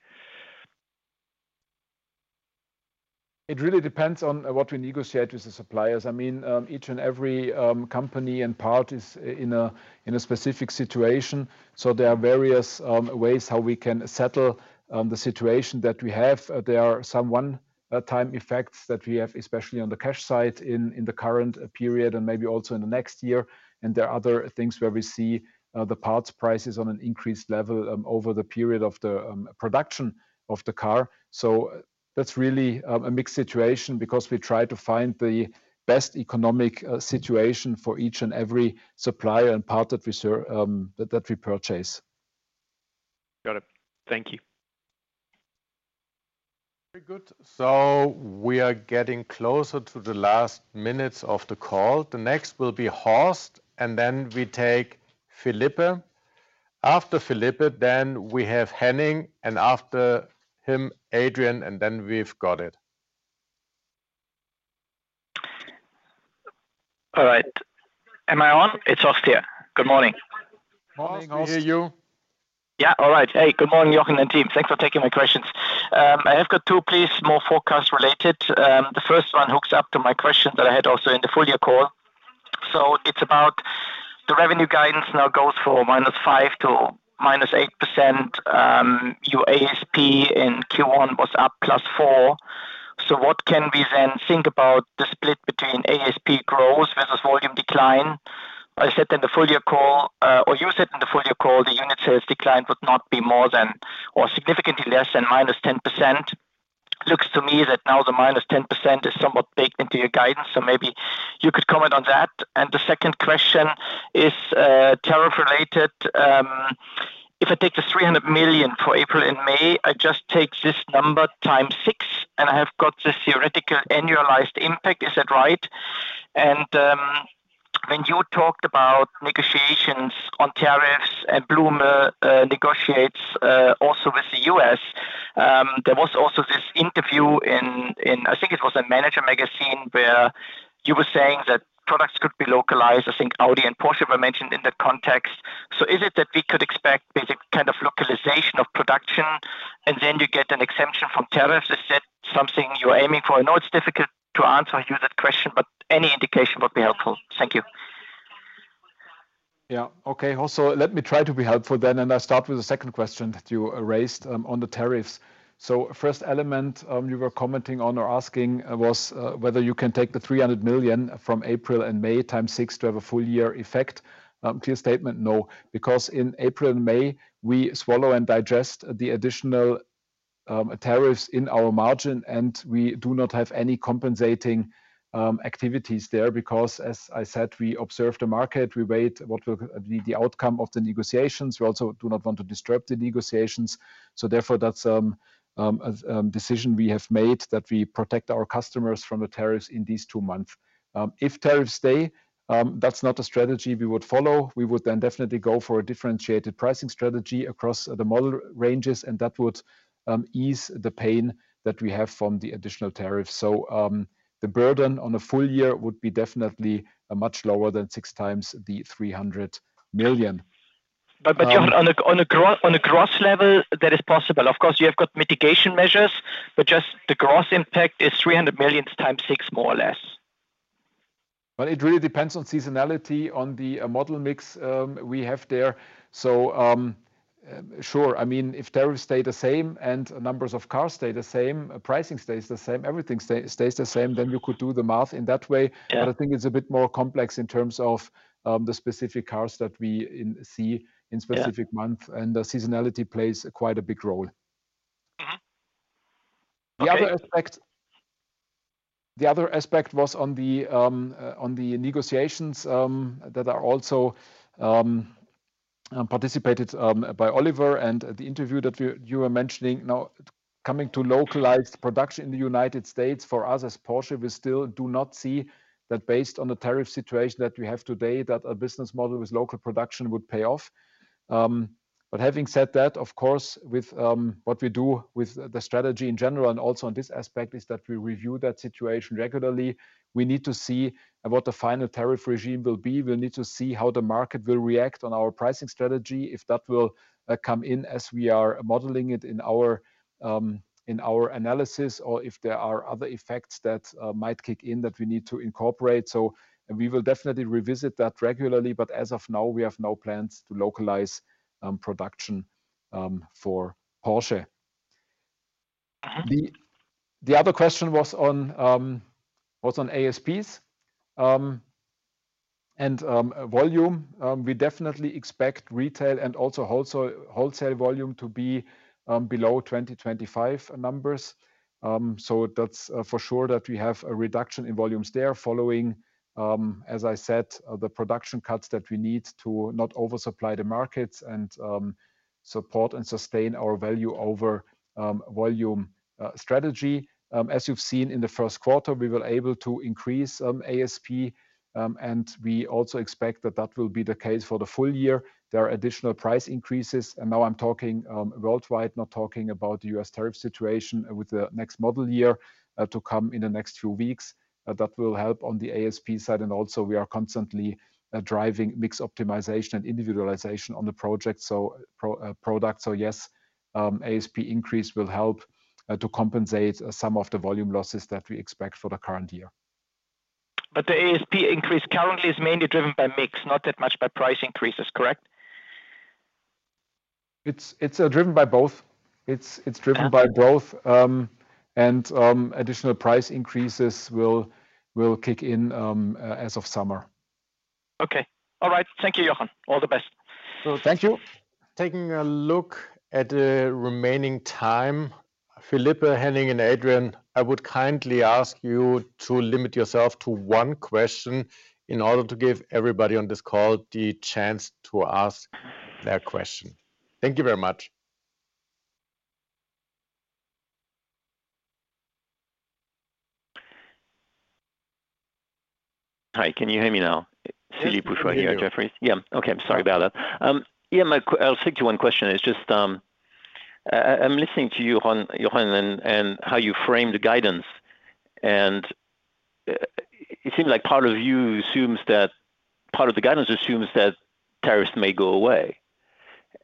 It really depends on what we negotiate with the suppliers. I mean, each and every company and part is in a specific situation. There are various ways how we can settle the situation that we have. There are some one-time effects that we have, especially on the cash side in the current period and maybe also in the next year. There are other things where we see the parts prices on an increased level over the period of the production of the car. That is really a mixed situation because we try to find the best economic situation for each and every supplier and part that we purchase. Got it. Thank you. Very good. We are getting closer to the last minutes of the call. The next will be Horst, and then we take Philippe. After Philippe, then we have Henning, and after him, Adrian, and then we've got it. All right. Am I on? It's Horst here. Good morning. Morning, Horst. Can you hear you? Yeah, all right. Hey, good morning, Jochen and team. Thanks for taking my questions. I have got two, please, more forecast-related. The first one hooks up to my question that I had also in the Full Year call. It is about the revenue guidance now goes for minus 5% to minus 8%. Your ASP in Q1 was up +4%. What can we then think about the split between ASP growth versus volume decline? I said in the Full Year call, or you said in the Full Year call, the unit sales decline would not be more than or significantly less than minus 10%. Looks to me that now the minus 10% is somewhat baked into your guidance. Maybe you could comment on that. The second question is tariff-related. If I take the 300 million for April and May, I just take this number times 6, and I have got this theoretical annualized impact. Is that right? When you talked about negotiations on tariffs and Blume negotiates also with the U.S., there was also this interview in, I think it was Manager Magazin, where you were saying that products could be localized. I think Audi and Porsche were mentioned in the context. Is it that we could expect basic kind of localization of production, and then you get an exemption from tariffs? Is that something you're aiming for? I know it's difficult to answer that question, but any indication would be helpful. Thank you. Yeah. Okay. Also, let me try to be helpful then, and I'll start with the second question that you raised on the tariffs. The first element you were commenting on or asking was whether you can take the 300 million from April and May times six to have a full year effect. Clear statement, no. Because in April and May, we swallow and digest the additional tariffs in our margin, and we do not have any compensating activities there because, as I said, we observe the market. We wait what will be the outcome of the negotiations. We also do not want to disturb the negotiations. Therefore, that's a decision we have made that we protect our customers from the tariffs in these 2 months. If tariffs stay, that's not a strategy we would follow. We would then definitely go for a differentiated pricing strategy across the model ranges, and that would ease the pain that we have from the additional tariffs. The burden on a full year would be definitely much lower than 6x the 300 million. On a gross level, that is possible. Of course, you have got mitigation measures, but just the gross impact is 300 million times 6, more or less. It really depends on seasonality, on the model mix we have there. Sure, I mean, if tariffs stay the same and numbers of cars stay the same, pricing stays the same, everything stays the same, then you could do the math in that way. I think it is a bit more complex in terms of the specific cars that we see in specific months, and the seasonality plays quite a big role. The other aspect was on the negotiations that are also participated by Oliver and the interview that you were mentioning. Now, coming to localized production in the United States, for us as Porsche, we still do not see that based on the tariff situation that we have today, that a business model with local production would pay off. Having said that, of course, with what we do with the strategy in general and also on this aspect is that we review that situation regularly. We need to see what the final tariff regime will be. We need to see how the market will react on our pricing strategy, if that will come in as we are modeling it in our analysis, or if there are other effects that might kick in that we need to incorporate. We will definitely revisit that regularly. As of now, we have no plans to localize production for Porsche. The other question was on ASPs and volume. We definitely expect retail and also wholesale volume to be below 2025 numbers. That is for sure, that we have a reduction in volumes there following, as I said, the production cuts that we need to not oversupply the markets and support and sustain our value over volume strategy. As you have seen in the first quarter, we were able to increase ASP, and we also expect that that will be the case for the full year. There are additional price increases. Now I am talking worldwide, not talking about the U.S. tariff situation, with the next model year to come in the next few weeks. That will help on the ASP side. We are constantly driving mix optimization and individualization on the product. Yes, ASP increase will help to compensate some of the volume losses that we expect for the current year. The ASP increase currently is mainly driven by mix, not that much by price increases, correct? It's driven by both. It's driven by both. Additional price increases will kick in as of summer. Okay. All right. Thank you, Jochen. All the best. Thank you. Taking a look at the remaining time, Philippe, Henning, and Adrian, I would kindly ask you to limit yourself to one question in order to give everybody on this call the chance to ask their question. Thank you very much. Hi, can you hear me now? Philippe, we're here. Jefferies. Yeah. Okay. I'm sorry about that. Yeah, Mike, I'll stick to one question. It's just I'm listening to you, Jochen, and how you frame the guidance. It seems like part of you assumes that part of the guidance assumes that tariffs may go away.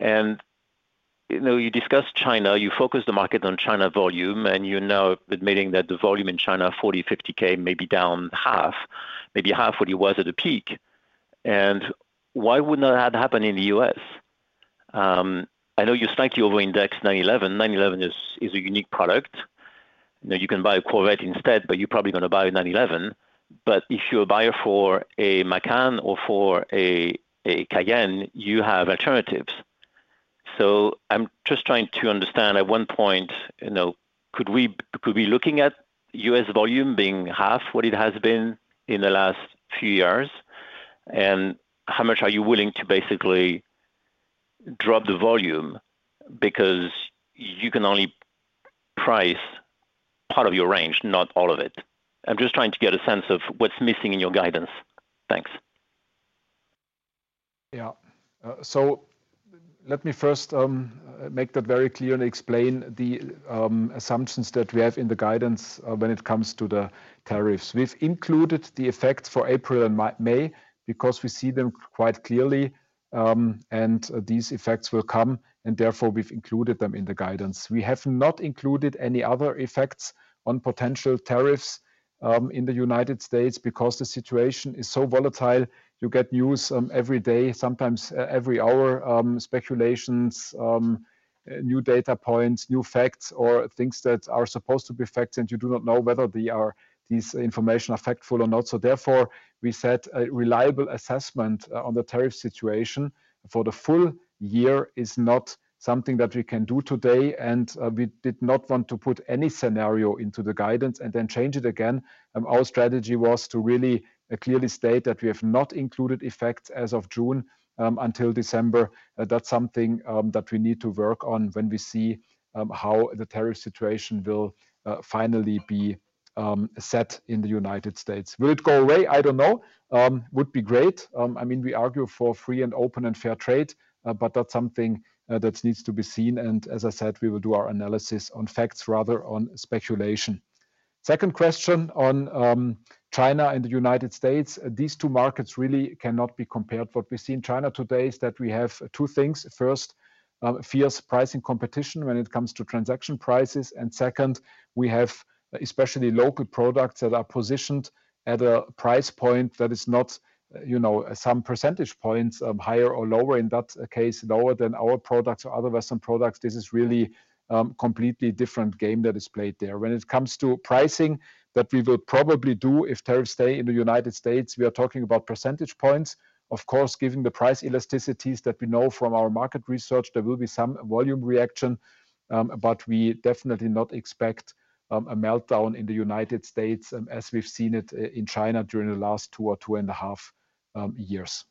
You discussed China. You focus the market on China volume, and you're now admitting that the volume in China, 40,000-50,000, may be down half, maybe half what it was at the peak. Why wouldn't that happen in the U.S.? I know you slightly over-indexed 911. 911 is a unique product. You can buy a Corvette instead, but you're probably going to buy a 911. If you're a buyer for a Macan or for a Cayenne, you have alternatives. I'm just trying to understand at what point could we be looking at U.S. volume being half what it has been in the last few years? How much are you willing to basically drop the volume because you can only price part of your range, not all of it? I'm just trying to get a sense of what's missing in your guidance. Thanks. Yeah. Let me first make that very clear and explain the assumptions that we have in the guidance when it comes to the tariffs. We've included the effects for April and May because we see them quite clearly, and these effects will come, and therefore we've included them in the guidance. We have not included any other effects on potential tariffs in the United States because the situation is so volatile. You get news every day, sometimes every hour, speculations, new data points, new facts, or things that are supposed to be facts, and you do not know whether this information is factful or not. Therefore, we said a reliable assessment on the tariff situation for the full year is not something that we can do today. We did not want to put any scenario into the guidance and then change it again. Our strategy was to really clearly state that we have not included effects as of June until December. That is something that we need to work on when we see how the tariff situation will finally be set in the United States. Will it go away? I do not know. Would be great. I mean, we argue for free and open and fair trade, but that is something that needs to be seen. As I said, we will do our analysis on facts rather than on speculation. Second question on China and the United States. These two markets really cannot be compared. What we see in China today is that we have two things. First, fierce pricing competition when it comes to transaction prices. Second, we have especially local products that are positioned at a price point that is not some percentage points higher or lower, in that case, lower than our products or other Western products. This is really a completely different game that is played there. When it comes to pricing, that we will probably do if tariffs stay in the United States. We are talking about percentage points. Of course, given the price elasticities that we know from our market research, there will be some volume reaction, but we definitely not expect a meltdown in the United States as we've seen it in China during the last two or two and a half years.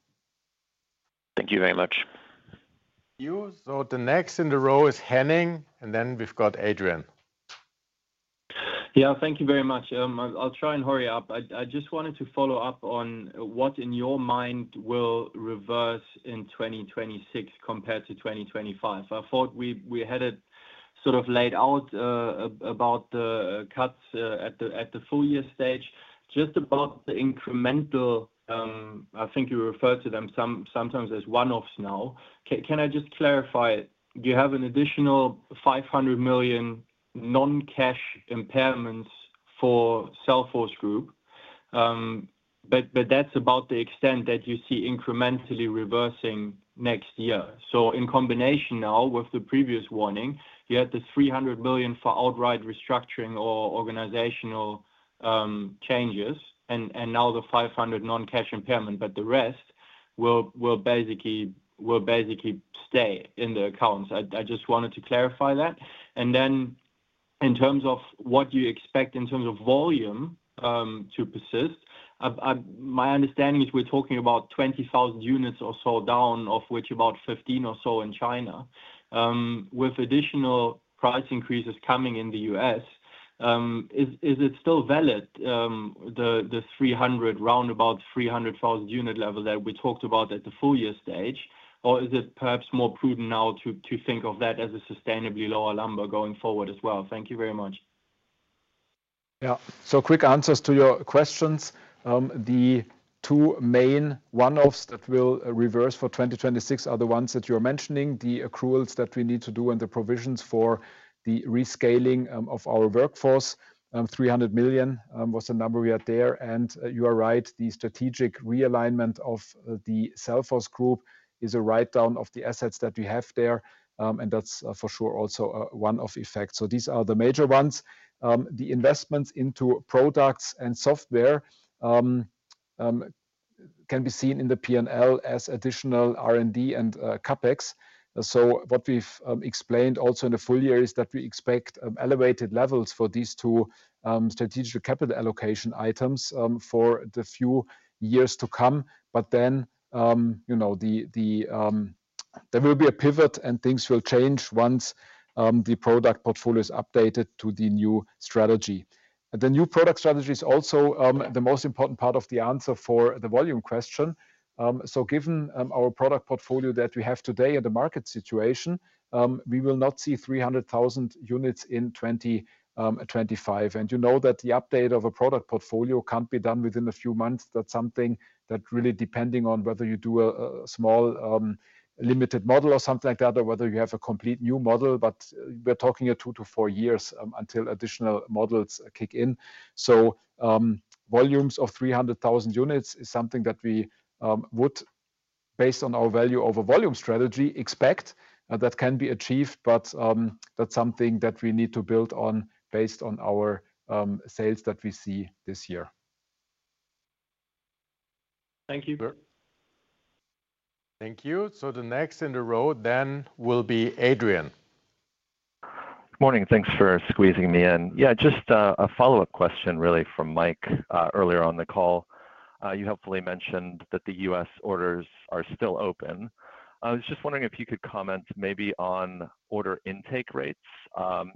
Thank you very much. You. The next in the row is Henning, and then we've got Adrian. Yeah, thank you very much. I'll try and hurry up. I just wanted to follow up on what in your mind will reverse in 2026 compared to 2025. I thought we had it sort of laid out about the cuts at the full year stage, just about the incremental. I think you refer to them sometimes as one-offs now. Can I just clarify? You have an additional 500 million non-cash impairments for Selfos Group, but that's about the extent that you see incrementally reversing next year. In combination now with the previous warning, you had the 300 million for outright restructuring or organizational changes, and now the 500 million non-cash impairment, but the rest will basically stay in the accounts. I just wanted to clarify that. In terms of what you expect in terms of volume to persist, my understanding is we're talking about 20,000 units or so down, of which about 15 or so in China. With additional price increases coming in the U.S., is it still valid, the roundabout 300,000 unit level that we talked about at the full year stage, or is it perhaps more prudent now to think of that as a sustainably lower number going forward as well? Thank you very much. Yeah. Quick answers to your questions. The 2 main one-offs that will reverse for 2026 are the ones that you're mentioning, the accruals that we need to do and the provisions for the rescaling of our workforce. 300 million was the number we had there. You are right, the strategic realignment of the Selfos Group is a write-down of the assets that we have there, and that is for sure also one of the effects. These are the major ones. The investments into products and software can be seen in the P&L as additional R&D and CapEx. What we have explained also in the full year is that we expect elevated levels for these two strategic capital allocation items for the few years to come. There will be a pivot, and things will change once the product portfolio is updated to the new strategy. The new product strategy is also the most important part of the answer for the volume question. Given our product portfolio that we have today and the market situation, we will not see 300,000 units in 2025. You know that the update of a product portfolio cannot be done within a few months. That is something that really depends on whether you do a small limited model or something like that, or whether you have a complete new model. We are talking two to four years until additional models kick in. Volumes of 300,000 units is something that we would, based on our value over volume strategy, expect that can be achieved, but that is something that we need to build on based on our sales that we see this year. Thank you. Thank you. The next in the row then will be Adrian. Morning. Thanks for squeezing me in. Yeah, just a follow-up question really from Mike earlier on the call. You helpfully mentioned that the U.S. orders are still open. I was just wondering if you could comment maybe on order intake rates,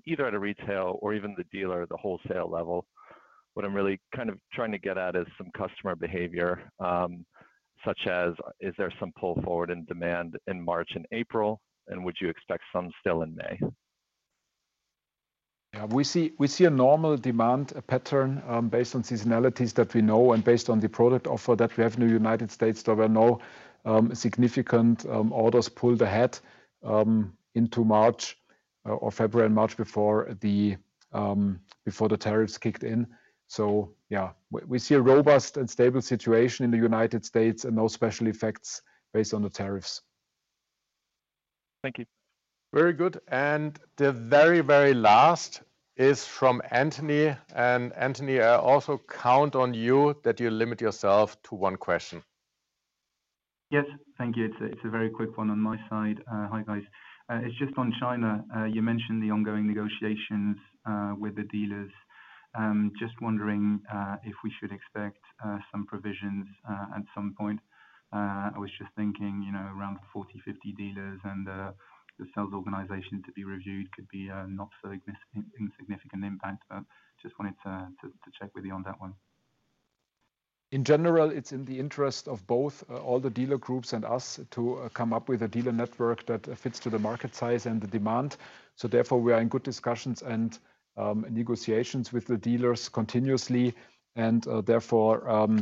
either at a retail or even the dealer, the wholesale level. What I'm really kind of trying to get at is some customer behavior, such as is there some pull forward in demand in March and April, and would you expect some still in May? Yeah, we see a normal demand pattern based on seasonalities that we know and based on the product offer that we have in the United States. There were no significant orders pulled ahead into March or February and March before the tariffs kicked in. Yeah, we see a robust and stable situation in the United States and no special effects based on the tariffs. Thank you. Very good. The very, very last is from Anthony. Anthony, I also count on you that you limit yourself to one question. Yes, thank you. It's a very quick one on my side. Hi, guys. It's just on China. You mentioned the ongoing negotiations with the dealers. Just wondering if we should expect some provisions at some point. I was just thinking around 40-50 dealers and the sales organization to be reviewed could be a not so insignificant impact, but just wanted to check with you on that one. In general, it's in the interest of both all the dealer groups and us to come up with a dealer network that fits to the market size and the demand. Therefore, we are in good discussions and negotiations with the dealers continuously. Therefore,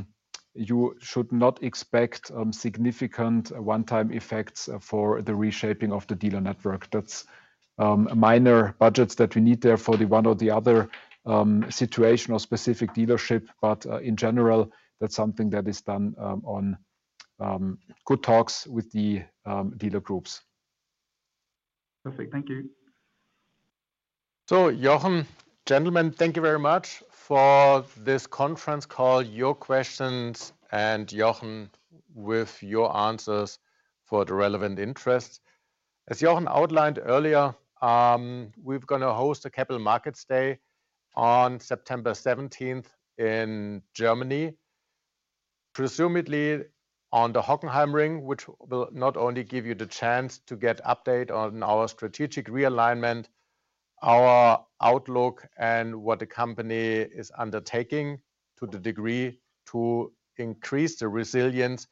you should not expect significant one-time effects for the reshaping of the dealer network. That's minor budgets that we need there for the one or the other situation or specific dealership. In general, that's something that is done on good talks with the dealer groups. Perfect. Thank you. Jochen, gentlemen, thank you very much for this conference call, your questions, and Jochen with your answers for the relevant interests. As Jochen outlined earlier, we're going to host a Capital Markets Day on September 17th in Germany, presumably on the Hockenheimring, which will not only give you the chance to get an update on our strategic realignment, our outlook, and what the company is undertaking to the degree to increase the resilience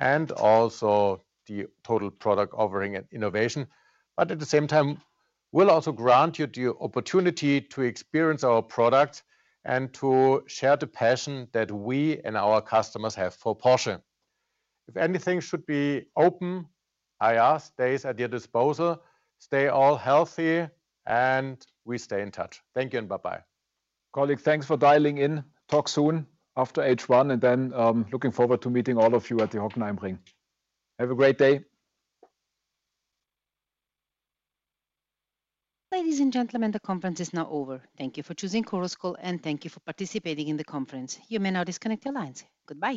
and also the total product offering and innovation. At the same time, we'll also grant you the opportunity to experience our products and to share the passion that we and our customers have for Porsche. If anything should be open, IR, stays at your disposal. Stay all healthy, and we stay in touch. Thank you and bye-bye. Colleague, thanks for dialing in. Talk soon after H1, and then looking forward to meeting all of you at the Hockenheimring. Have a great day. Ladies and gentlemen, the conference is now over. Thank you for choosing Chorus Call and thank you for participating in the conference. You may now disconnect your lines. Goodbye.